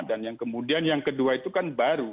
dan yang kemudian yang kedua itu kan baru